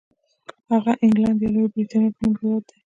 هغه انګلنډ یا لویه برېټانیا په نوم هېواد دی.